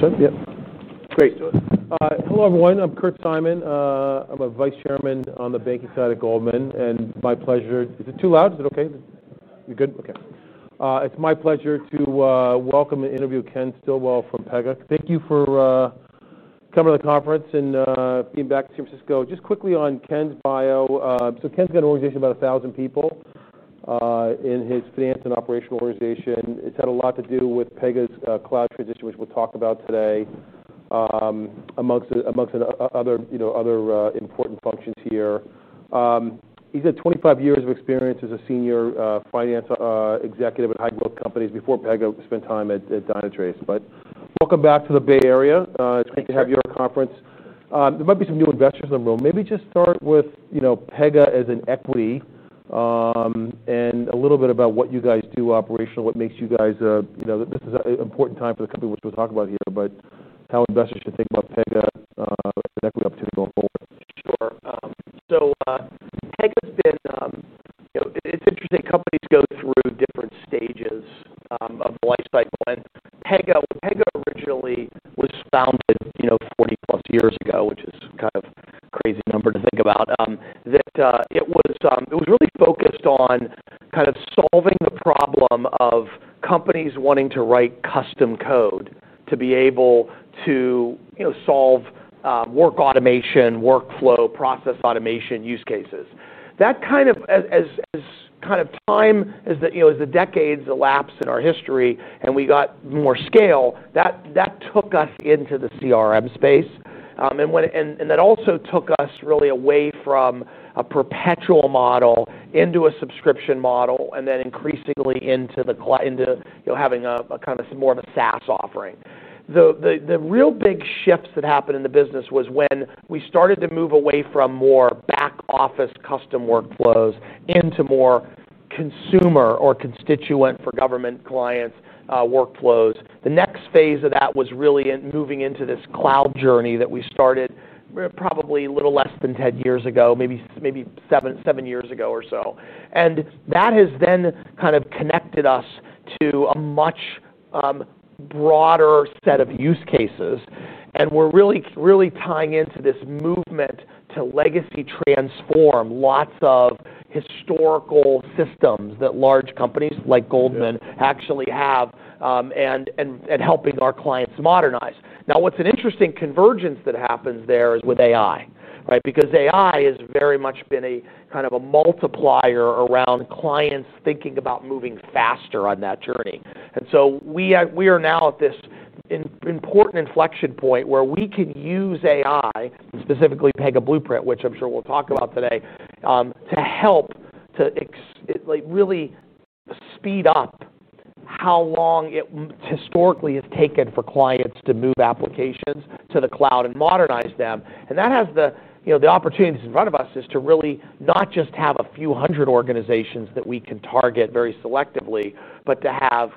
Let's hear him. Yep. Great. Hello everyone. I'm Kurt Simon. I'm a Vice Chairman on the banking side at Goldman Sachs. It's my pleasure, is it too loud, is it okay? You're good. It's my pleasure to welcome and interview Ken Stillwell from Pega. Thank you for coming to the conference and being back in San Francisco. Just quickly on Ken's bio. Ken's got an organization of about 1,000 people in his finance and operational organization. He's had a lot to do with Pega's cloud transition, which we'll talk about today, amongst other important functions here. He's had 25 years of experience as a senior finance executive at high growth companies. Before Pega, he spent time at Dynatrace. Welcome back to the Bay Area. It's great to have you at our conference. There might be some new investors in the room. Maybe just start with Pega as an equity and a little bit about what you guys do operationally, what makes you guys, you know, this is an important time for the company, which we'll talk about here, but how investors should think about Pega as an equity opportunity going forward. Sure. Pega's been, you know, it's interesting. Companies go through different stages of life by event. Pega originally was founded, you know, 40+ years ago, which is kind of a crazy number to think about. It was really focused on kind of solving the problem of companies wanting to write custom code to be able to solve work automation, workflow, process automation use cases. As the decades elapsed in our history and we got more scale, that took us into the CRM space. That also took us really away from a perpetual model into a subscription model and then increasingly into having more of a SaaS offering. The real big shifts that happened in the business were when we started to move away from more back office custom workflows into more consumer or constituent for government clients workflows. The next phase of that was really moving into this cloud journey that we started probably a little less than 10 years ago, maybe seven years ago or so. That has then connected us to a much broader set of use cases. We're really, really tying into this movement to legacy transform lots of historical systems that large companies like Goldman actually have and helping our clients modernize. An interesting convergence that happens there is with AI, right? AI has very much been a multiplier around clients thinking about moving faster on that journey. We are now at this important inflection point where we can use AI, specifically Pega Blueprint, which I'm sure we'll talk about today, to help to really speed up how long it historically has taken for clients to move applications to the cloud and modernize them. The opportunities in front of us are to really not just have a few hundred organizations that we can target very selectively, but to have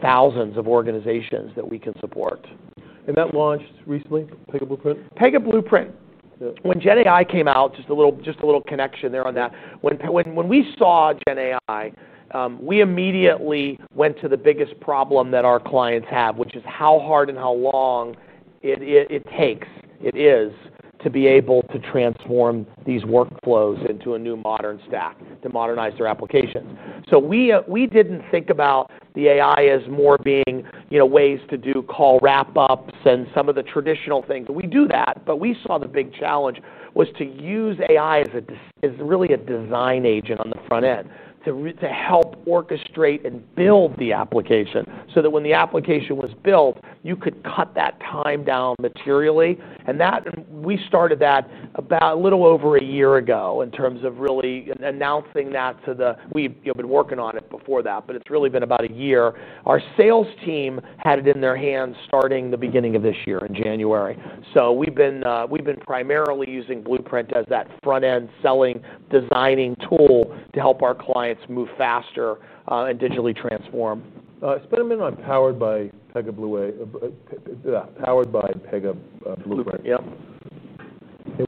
thousands of organizations that we can support. That launched recently, Pega Blueprint? Pega Blueprint. When GenAI came out, just a little connection there on that. When we saw GenAI, we immediately went to the biggest problem that our clients have, which is how hard and how long it takes, it is to be able to transform these workflows into a new modern stack to modernize their applications. We didn't think about the AI as more being, you know, ways to do call wrap-ups and some of the traditional things. We do that, but we saw the big challenge was to use AI as really a design agent on the front end to help orchestrate and build the application so that when the application was built, you could cut that time down materially. We started that about a little over a year ago in terms of really announcing that to the, we've been working on it before that, but it's really been about a year. Our sales team had it in their hands starting the beginning of this year in January. We've been primarily using Blueprint as that front-end selling designing tool to help our clients move faster and digitally transform. Spend a minute on powered by Pega Blueprint. Yep.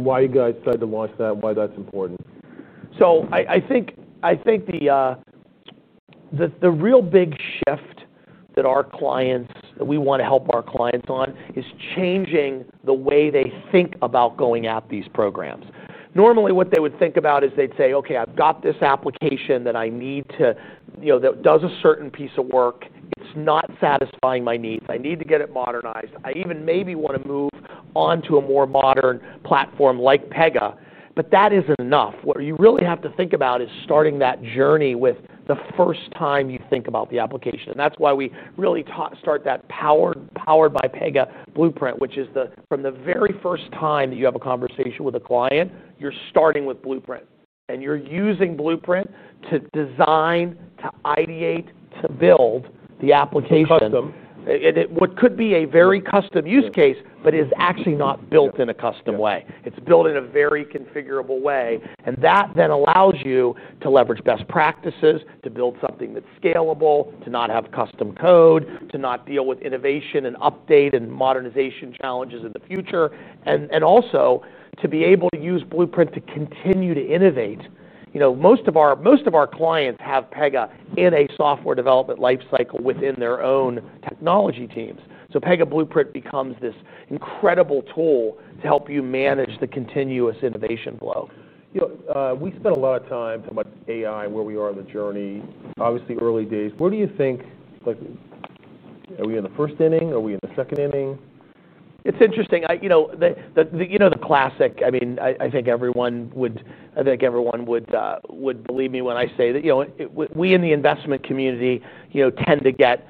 Why you guys decided to launch that and why that's important. I think the real big shift that our clients, we want to help our clients on, is changing the way they think about going at these programs. Normally, what they would think about is they'd say, "Okay, I've got this application that I need to, you know, that does a certain piece of work. It's not satisfying my needs. I need to get it modernized. I even maybe want to move on to a more modern platform like Pega," but that isn't enough. What you really have to think about is starting that journey with the first time you think about the application. That's why we really start that powered by Pega Blueprint, which is from the very first time that you have a conversation with a client, you're starting with Blueprint. You're using Blueprint to design, to ideate, to build the application. Custom. What could be a very custom use case, but is actually not built in a custom way. It's built in a very configurable way. That then allows you to leverage best practices, to build something that's scalable, to not have custom code, to not deal with innovation and update and modernization challenges in the future. Also, to be able to use Blueprint to continue to innovate. Most of our clients have Pega in a software development lifecycle within their own technology teams, so Pega Blueprint becomes this incredible tool to help you manage the continuous innovation flow. We spent a lot of time talking about AI and where we are in the journey. Obviously, early days. Where do you think, like, are we in the first inning? Are we in the second inning? It's interesting. You know, the classic, I mean, I think everyone would, I think everyone would believe me when I say that we in the investment community tend to get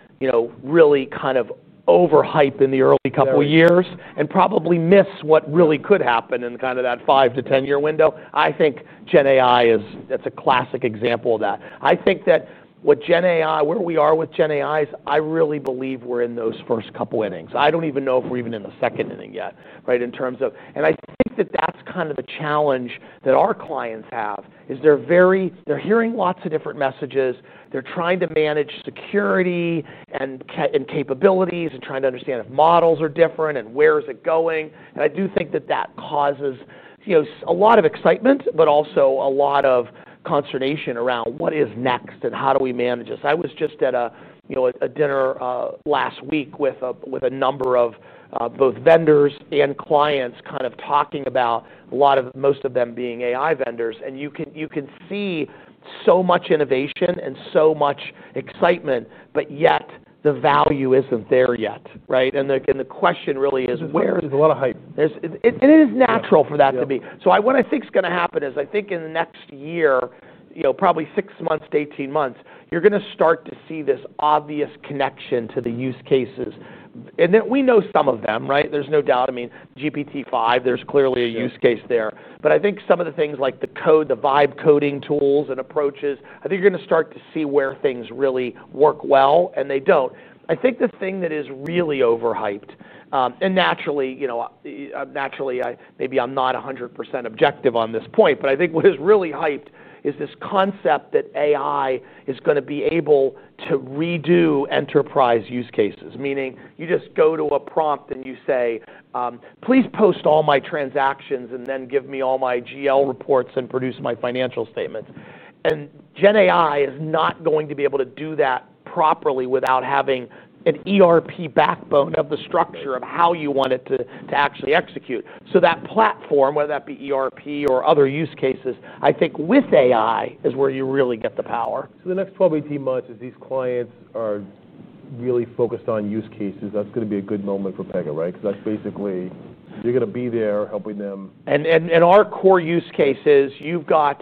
really kind of over-hyped in the early couple of years and probably miss what really could happen in that 5-10 year window. I think GenAI is, that's a classic example of that. I think that what GenAI, where we are with GenAI is, I really believe we're in those first couple of innings. I don't even know if we're even in the second inning yet, right, in terms of, and I think that that's kind of the challenge that our clients have is they're very, they're hearing lots of different messages. They're trying to manage security and capabilities and trying to understand if models are different and where is it going. I do think that causes a lot of excitement, but also a lot of consternation around what is next and how do we manage this. I was just at a dinner last week with a number of both vendors and clients talking about a lot of, most of them being AI vendors. You can see so much innovation and so much excitement, but yet the value isn't there yet, right? The question really is where. There's a lot of hype. It is natural for that to be. What I think is going to happen is I think in the next year, probably 6 months-18 months, you're going to start to see this obvious connection to the use cases. We know some of them, right? There's no doubt. I mean, GPT-5, there's clearly a use case there. I think some of the things like the code, the vibe coding tools and approaches, you're going to start to see where things really work well and they don't. I think the thing that is really over-hyped, and naturally, maybe I'm not 100% objective on this point, but I think what is really hyped is this concept that AI is going to be able to redo enterprise use cases, meaning you just go to a prompt and you say, "Please post all my transactions and then give me all my GL reports and produce my financial statements." GenAI is not going to be able to do that properly without having an ERP backbone of the structure of how you want it to actually execute. That platform, whether that be ERP or other use cases, I think with AI is where you really get the power. The next 12-18 months as these clients are really focused on use cases, that's going to be a good moment for Pega, right? Because that's basically, you're going to be there helping them. Our core use case is you've got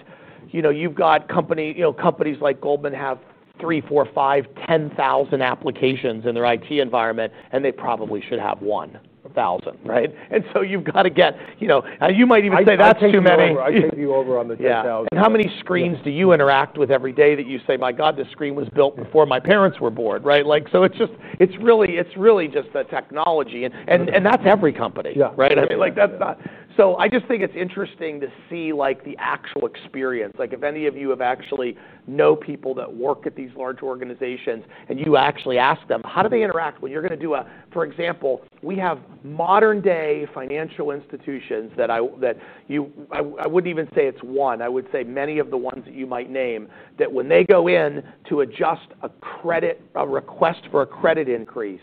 companies, you know, companies like Goldman have three, four, five, 10,000 applications in their IT environment, and they probably should have 1,000, right? You might even say that's too many. I take you over on the 10,000. How many screens do you interact with every day that you say, "My God, this screen was built before my parents were born," right? It's really just the technology. That's every company, right? Yup. I mean, that's not, I just think it's interesting to see the actual experience. If any of you have actually known people that work at these large organizations and you actually ask them, how do they interact when you're going to do a, for example, we have modern-day financial institutions that I, that you, I wouldn't even say it's one, I would say many of the ones that you might name that when they go in to adjust a credit, a request for a credit increase,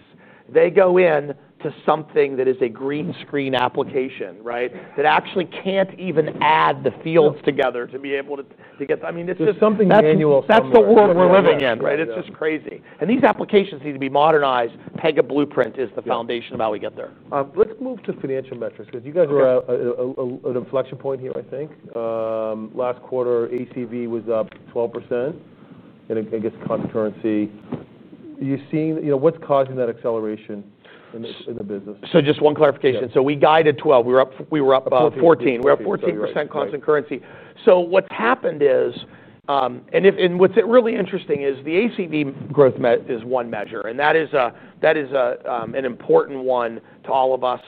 they go in to something that is a green screen application, right? That actually can't even add the fields together to be able to get, I mean, it's just something that's the world we're living in, right? It's just crazy. These applications need to be modernized. Pega Blueprint is the foundation of how we get there. Let's move to financial metrics because you guys are at an inflection point here, I think. Last quarter, ACV was up 12% and it gets concurrency. You're seeing, you know, what's causing that acceleration in the business? Just one clarification. We guided 12%. We were up about 14%. We're at 14% concurrency. What's happened is, and what's really interesting is the ACV growth is one measure, and that is an important one to all of us.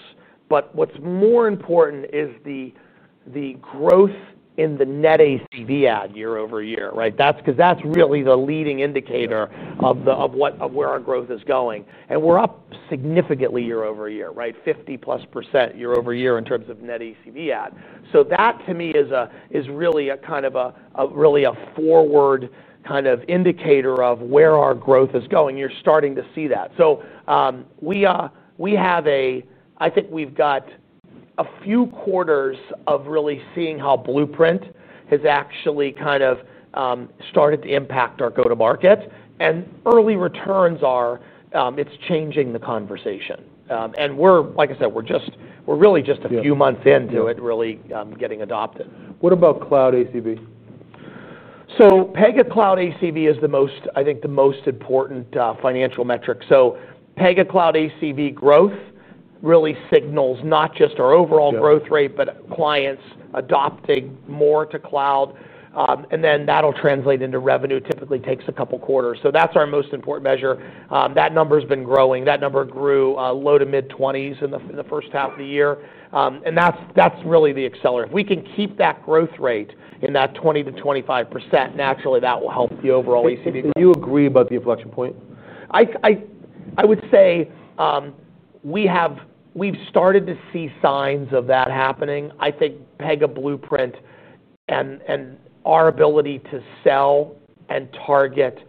What's more important is the growth in the net ACV add year-over-year, right? Because that's really the leading indicator of where our growth is going. We're up significantly year-over-year, right? 50%+ year-over-year in terms of net ACV add. That to me is really a kind of a really a forward kind of indicator of where our growth is going. You're starting to see that. I think we've got a few quarters of really seeing how Blueprint has actually kind of started to impact our go-to-market. Early returns are, it's changing the conversation. Like I said, we're just, we're really just a few months into it really getting adopted. What about Cloud ACV? Pega Cloud ACV is the most, I think the most important financial metric. Pega Cloud ACV growth really signals not just our overall growth rate, but clients adopting more to cloud. That'll translate into revenue. Typically takes a couple of quarters. That's our most important measure. That number has been growing. That number grew low to mid-20s in the first half of the year. That's really the accelerant. If we can keep that growth rate in that 20%-25%, naturally, that will help the overall ACV. Do you agree about the inflection point? I would say we've started to see signs of that happening. I think Pega Blueprint and our ability to sell and target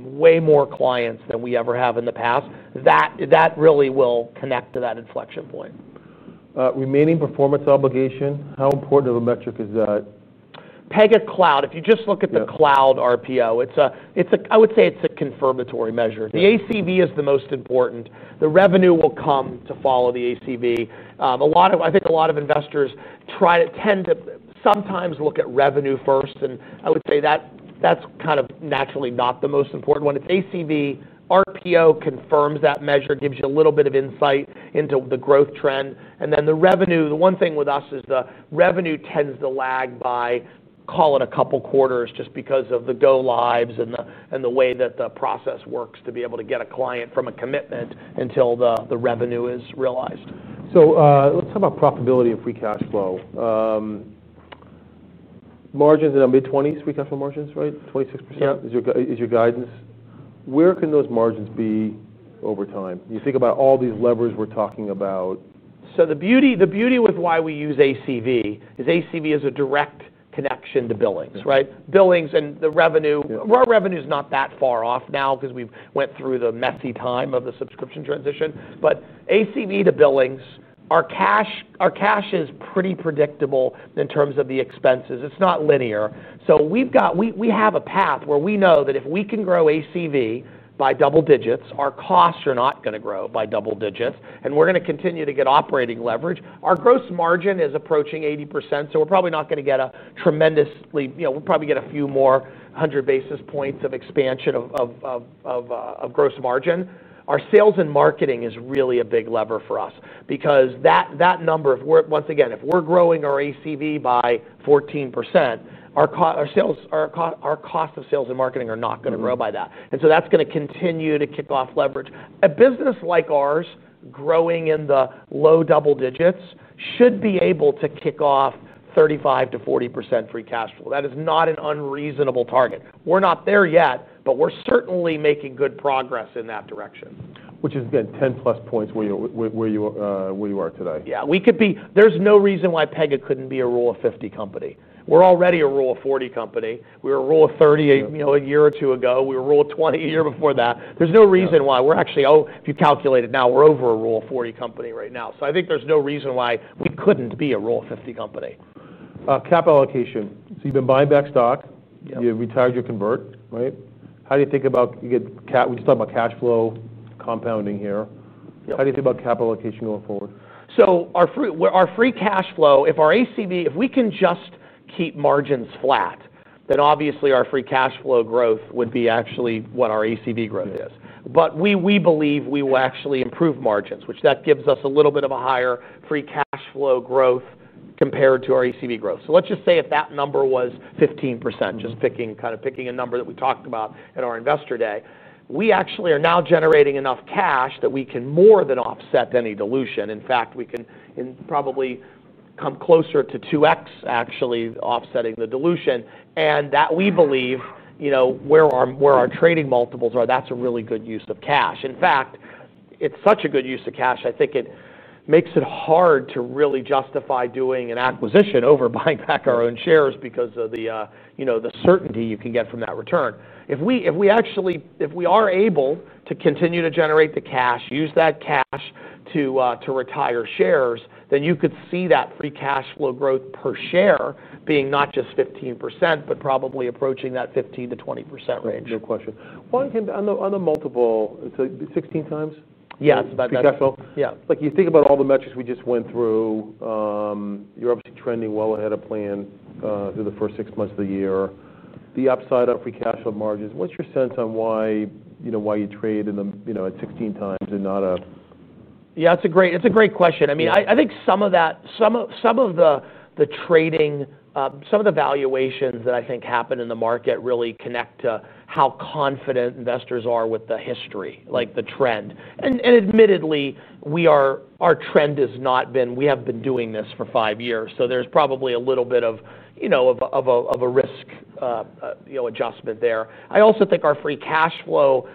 way more clients than we ever have in the past, that really will connect to that inflection point. Remaining performance obligation, how important of a metric is that? Pega Cloud, if you just look at the Cloud RPO, it's a, I would say it's a confirmatory measure. The ACV is the most important. The revenue will come to follow the ACV. I think a lot of investors try to tend to sometimes look at revenue first. I would say that that's kind of naturally not the most important one. It's ACV. RPO confirms that measure, gives you a little bit of insight into the growth trend. The revenue, the one thing with us is the revenue tends to lag by calling a couple of quarters just because of the go lives and the way that the process works to be able to get a client from a commitment until the revenue is realized. Let's talk about profitability of free cash flow. Margins in the mid-20s, free cash flow margins, right? 26% is your guidance. Where can those margins be over time? You think about all these levers we're talking about. The beauty with why we use ACV is ACV is a direct connection to billings, right? Billings and the revenue, our revenue is not that far off now because we've went through the messy time of the subscription transition. ACV to billings, our cash is pretty predictable in terms of the expenses. It's not linear. We have a path where we know that if we can grow ACV by double digits, our costs are not going to grow by double digits, and we're going to continue to get operating leverage. Our gross margin is approaching 80%. We're probably not going to get a tremendously, you know, we'll probably get a few more hundred basis points of expansion of gross margin. Our sales and marketing is really a big lever for us because that number, if we're, once again, if we're growing our ACV by 14%, our cost of sales and marketing are not going to grow by that, and that's going to continue to kick off leverage. A business like ours growing in the low double digits should be able to kick off 35%-40% free cash flow. That is not an unreasonable target. We're not there yet, but we're certainly making good progress in that direction. Which is again 10+ points where you are today. Yeah, we could be, there's no reason why Pega couldn't be a rule of 50 company. We're already a rule of 40 company. We were a rule of 30, you know, a year or two ago. We were a rule of 20 a year before that. There's no reason why, if you calculate it now, we're over a rule of 40 company right now. I think there's no reason why we couldn't be a rule of 50 company. Capital allocation. You've been buying back stock. You retired your convert, right? How do you think about, we just talked about cash flow compounding here. How do you think about capital allocation going forward? If our free cash flow, if our ACV, if we can just keep margins flat, then obviously our free cash flow growth would be actually what our ACV growth is. We believe we will actually improve margins, which gives us a little bit of a higher free cash flow growth compared to our ACV growth. Let's just say if that number was 15%, just picking a number that we talked about at our investor day, we actually are now generating enough cash that we can more than offset any dilution. In fact, we can probably come closer to 2x actually offsetting the dilution. We believe, you know, where our trading multiples are, that's a really good use of cash. In fact, it's such a good use of cash. I think it makes it hard to really justify doing an acquisition over buying back our own shares because of the certainty you can get from that return. If we are able to continue to generate the cash, use that cash to retire shares, then you could see that free cash flow growth per share being not just 15%, but probably approaching that 15%-20% range. Good question. On the multiple, it's like 16x? Yeah, it's about that. Yeah. Like you think about all the metrics we just went through, you're obviously trending well ahead of plan through the first six months of the year. The upside of free cash flow margins, what's your sense on why you trade at 16x and not a? Yeah, it's a great question. I think some of the trading, some of the valuations that happen in the market really connect to how confident investors are with the history, like the trend. Admittedly, our trend has not been, we have been doing this for five years. There's probably a little bit of a risk adjustment there. I also think our free cash flow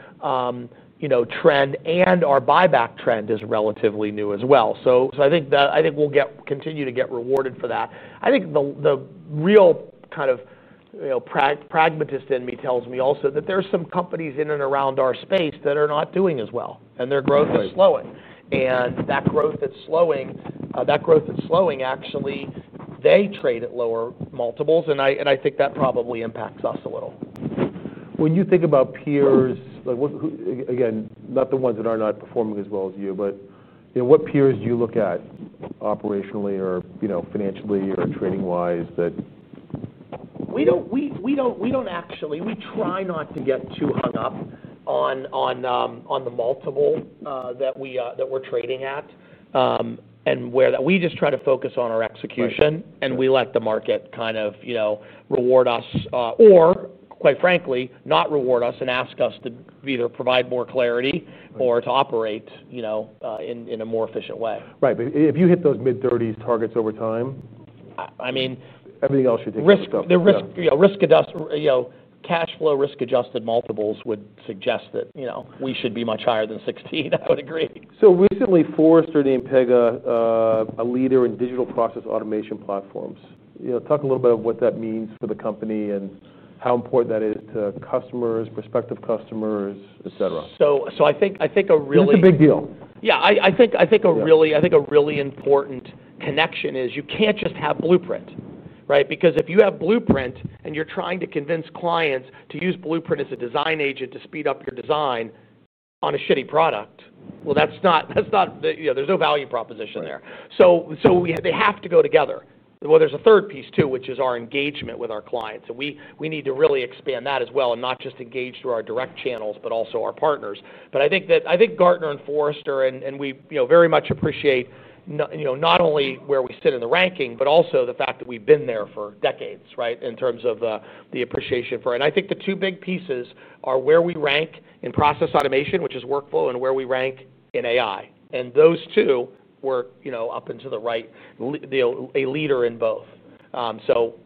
trend and our buyback trend is relatively new as well. I think we'll continue to get rewarded for that. The real kind of pragmatist in me tells me also that there are some companies in and around our space that are not doing as well and their growth is slowing. That growth that's slowing actually, they trade at lower multiples. I think that probably impacts us a little. When you think about peers, like what, again, not the ones that are not performing as well as you, but you know, what peers do you look at operationally, or you know, financially or trading-wise, that? We don't actually try not to get too hung up on the multiple that we're trading at. We just try to focus on our execution, and we let the market kind of, you know, reward us or, quite frankly, not reward us and ask us to either provide more clarity or to operate in a more efficient way. Right. If you hit those mid-30s targets over time, I mean, everything else you think about. Risk-adjusted cash flow risk adjusted multiples would suggest that we should be much higher than 16, I would agree. Recently, Forrester named Pega, a leader in digital process automation platforms. Talk a little bit of what that means for the company and how important that is to customers, prospective customers, etc. I think a really. It's a big deal. I think a really important connection is you can't just have Blueprint, right? Because if you have Blueprint and you're trying to convince clients to use Blueprint as a design agent to speed up your design on a shitty product, that's not, you know, there's no value proposition there. They have to go together. There's a third piece too, which is our engagement with our clients. We need to really expand that as well and not just engage through our direct channels, but also our partners. I think that Gartner and Forrester and we very much appreciate not only where we sit in the ranking, but also the fact that we've been there for decades, right? In terms of the appreciation for, and I think the two big pieces are where we rank in process automation, which is workflow, and where we rank in AI. Those two were up into the right, a leader in both.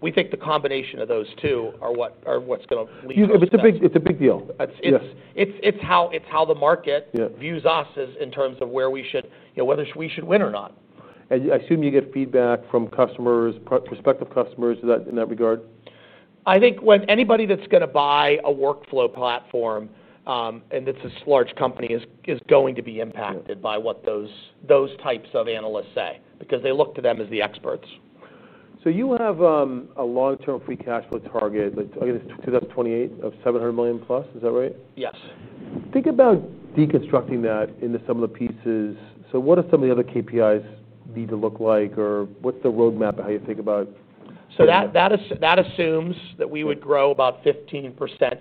We think the combination of those two are what's going to lead us. It's a big deal. It's how the market views us in terms of where we should, you know, whether we should win or not. I assume you get feedback from customers, prospective customers in that regard. I think when anybody that's going to buy a workflow platform and it's a large company is going to be impacted by what those types of analysts say, because they look to them as the experts. You have a long-term free cash flow target, I guess, 2028 of $700+ million, is that right? Yes. Think about deconstructing that into some of the pieces. What do some of the other KPIs need to look like, or what's the roadmap and how you think about? That assumes that we would grow about 15%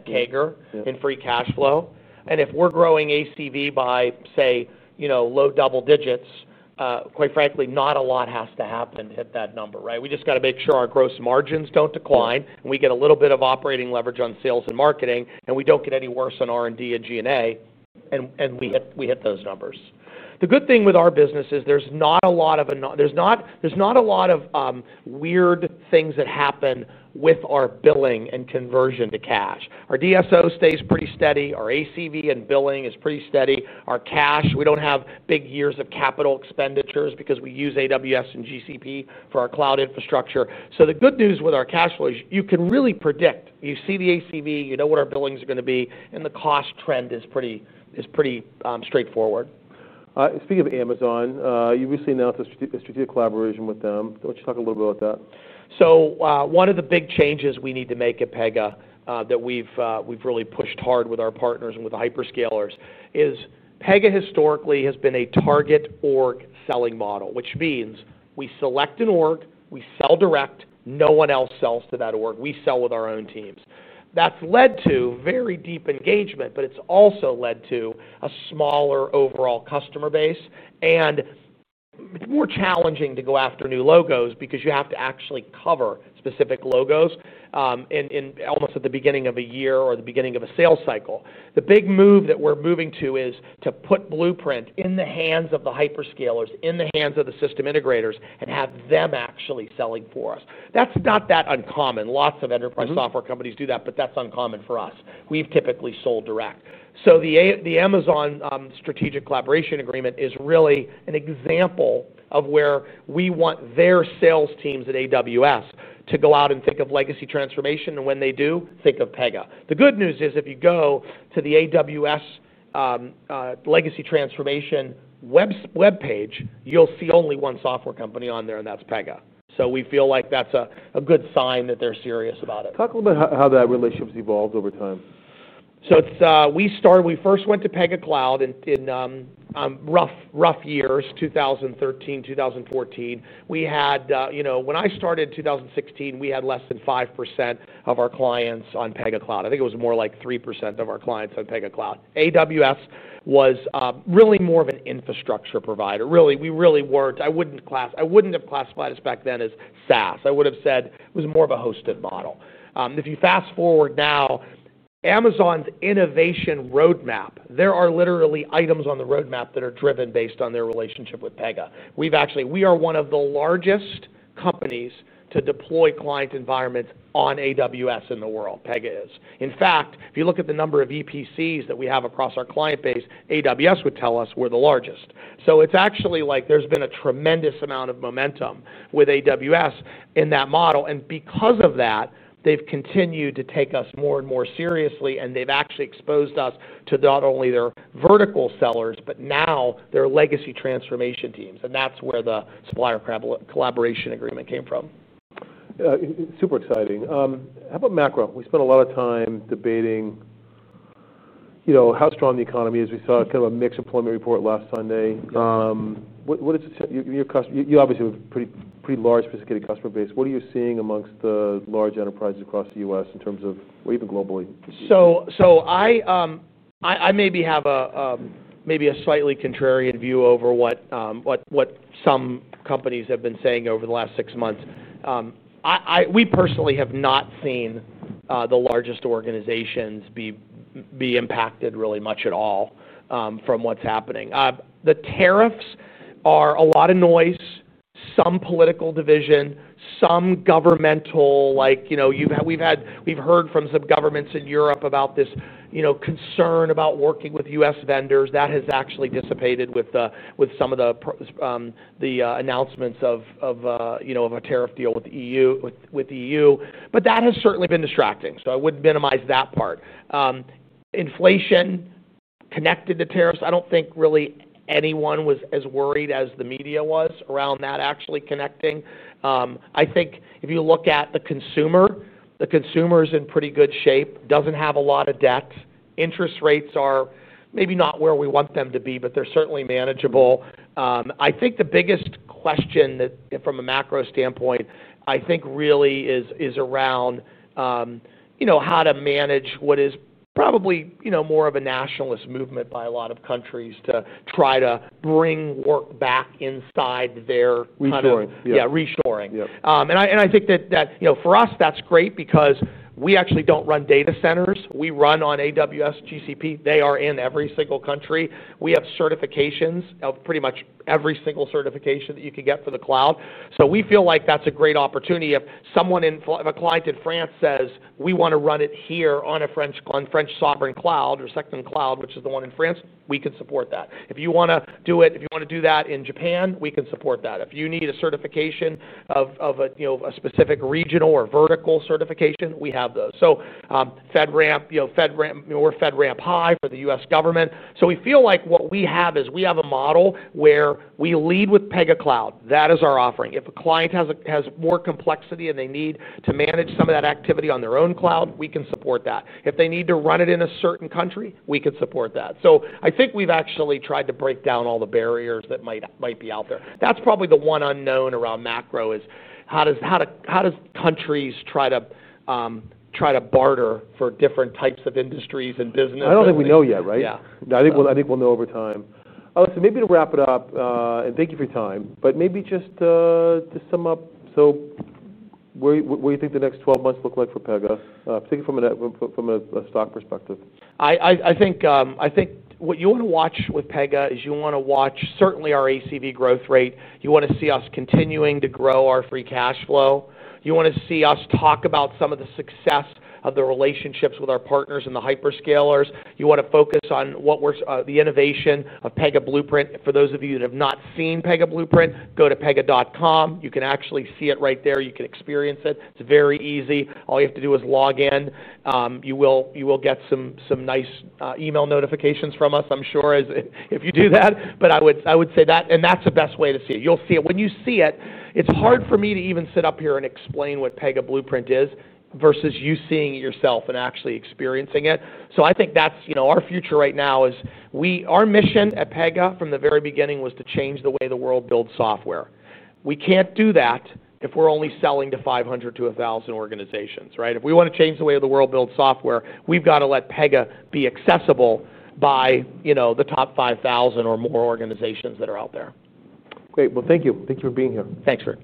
CAGR in free cash flow. If we're growing ACV by, say, you know, low double digits, quite frankly, not a lot has to happen at that number, right? We just got to make sure our gross margins don't decline, we get a little bit of operating leverage on sales and marketing, and we don't get any worse on R&D and G&A, and we hit those numbers. The good thing with our business is there's not a lot of, there's not a lot of weird things that happen with our billing and conversion to cash. Our DSO stays pretty steady, our ACV and billing is pretty steady, our cash, we don't have big years of capital expenditures because we use AWS and GCP for our cloud infrastructure. The good news with our cash flow is you can really predict, you see the ACV, you know what our billings are going to be, and the cost trend is pretty, is pretty straightforward. Speaking of Amazon, you recently announced a strategic collaboration with them. Why don't you talk a little bit about that? One of the big changes we need to make at Pega that we've really pushed hard with our partners and with the hyperscalers is Pega historically has been a target org selling model, which means we select an org, we sell direct, no one else sells to that org, we sell with our own teams. That's led to very deep engagement, but it's also led to a smaller overall customer base. It's more challenging to go after new logos because you have to actually cover specific logos. Almost at the beginning of a year or the beginning of a sales cycle, the big move that we're moving to is to put Blueprint in the hands of the hyperscalers, in the hands of the system integrators, and have them actually selling for us. That's not that uncommon. Lots of enterprise software companies do that, but that's uncommon for us. We've typically sold direct. The Amazon strategic collaboration agreement is really an example of where we want their sales teams at AWS to go out and think of legacy transformation. When they do, think of Pega. The good news is if you go to the AWS legacy transformation webpage, you'll see only one software company on there, and that's Pega. We feel like that's a good sign that they're serious about it. Talk a little bit about how that relationship has evolved over time. We started, we first went to Pega Cloud in roughly 2013, 2014. We had, you know, when I started in 2016, we had less than 5% of our clients on Pega Cloud. I think it was more like 3% of our clients on Pega Cloud. AWS was really more of an infrastructure provider. We really weren't, I wouldn't have classified us back then as SaaS. I would have said it was more of a hosted model. If you fast forward now, Amazon's innovation roadmap, there are literally items on the roadmap that are driven based on their relationship with Pega. We've actually, we are one of the largest companies to deploy client environments on AWS in the world. Pega is. In fact, if you look at the number of VPCs that we have across our client base, AWS would tell us we're the largest. It's actually like there's been a tremendous amount of momentum with AWS in that model. Because of that, they've continued to take us more and more seriously. They've actually exposed us to not only their vertical sellers, but now their legacy transformation teams. That's where the supplier collaboration agreement came from. Super exciting. How about macro? We spent a lot of time debating how strong the economy is. We saw kind of a mixed employment report last Sunday. What is it? You obviously have a pretty large, sophisticated customer base. What are you seeing amongst the large enterprises across the U.S. in terms of, or even globally? I maybe have a slightly contrarian view over what some companies have been saying over the last six months. We personally have not seen the largest organizations be impacted really much at all from what's happening. The tariffs are a lot of noise, some political division, some governmental, like, you know, we've had, we've heard from some governments in Europe about this, you know, concern about working with U.S. vendors. That has actually dissipated with some of the announcements of, you know, a tariff deal with the EU. That has certainly been distracting. I would minimize that part. Inflation connected to tariffs, I don't think really anyone was as worried as the media was around that actually connecting. I think if you look at the consumer, the consumer is in pretty good shape, doesn't have a lot of debt. Interest rates are maybe not where we want them to be, but they're certainly manageable. I think the biggest question from a macro standpoint really is around, you know, how to manage what is probably more of a nationalist movement by a lot of countries to try to bring work back inside their country. Restoring. Yeah, restoring. I think that, you know, for us, that's great because we actually don't run data centers. We run on AWS, GCP. They are in every single country. We have certifications, pretty much every single certification that you can get for the cloud. We feel like that's a great opportunity. If someone, if a client in France says, "We want to run it here on a French sovereign cloud or second cloud," which is the one in France, we can support that. If you want to do it in Japan, we can support that. If you need a certification of a specific regional or vertical certification, we have those. FedRAMP, you know, we're FedRAMP High for the U.S. government. We feel like what we have is a model where we lead with Pega Cloud. That is our offering. If a client has more complexity and they need to manage some of that activity on their own cloud, we can support that. If they need to run it in a certain country, we can support that. I think we've actually tried to break down all the barriers that might be out there. That's probably the one unknown around macro is how countries try to barter for different types of industries and businesses. I don't think we know yet, right? Yeah. I think we'll know over time. Maybe to wrap it up, and thank you for your time, but maybe just to sum up, what do you think the next 12 months look like for Pega? Thinking from a stock perspective. I think what you want to watch with Pega is you want to watch certainly our ACV growth rate. You want to see us continuing to grow our free cash flow. You want to see us talk about some of the success of the relationships with our partners and the hyperscalers. You want to focus on what we're, the innovation of Pega Blueprint. For those of you that have not seen Pega Blueprint, go to pega.com. You can actually see it right there. You can experience it. It's very easy. All you have to do is log in. You will get some nice email notifications from us, I'm sure, if you do that. I would say that, and that's the best way to see it. You'll see it. When you see it, it's hard for me to even sit up here and explain what Pega Blueprint is versus you seeing it yourself and actually experiencing it. I think that's, you know, our future right now is we, our mission at Pega from the very beginning was to change the way the world builds software. We can't do that if we're only selling to 500-1,000 organizations, right? If we want to change the way the world builds software, we've got to let Pega be accessible by, you know, the top 5,000 or more organizations that are out there. Great. Thank you. Thank you for being here. Thanks, Kurt.